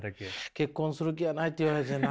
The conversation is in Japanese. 「結婚する気はない」って言われてな。